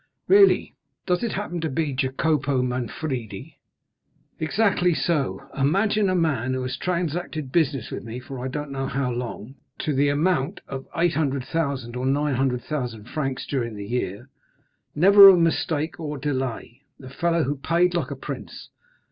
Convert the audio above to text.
"Really? Does it happen to be Jacopo Manfredi?" "Exactly so. Imagine a man who has transacted business with me for I don't know how long, to the amount of 800,000 or 900,000 francs during the year. Never a mistake or delay—a fellow who paid like a prince.